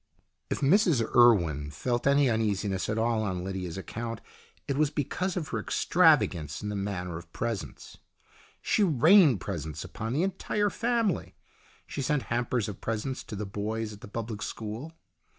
HER PEOPLE 141 If Mrs Urwen felt any uneasiness at all on Lydia's account, it was because of her extravagance in the matter of presents. She rained presents upon the entire family. She sent hampers of presents to the boys at the public school.